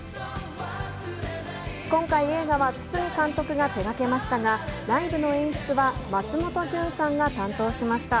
今回、映画は堤監督が手がけましたが、ライブの演出は松本潤さんが担当しました。